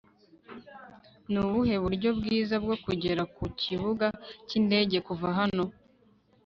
nubuhe buryo bwiza bwo kugera ku kibuga cyindege kuva hano